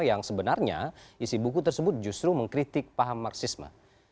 yang sebenarnya isi buku tersebut justru mengkritik paham marxisme